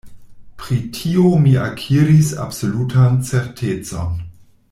Pri tio mi akiris absolutan certecon.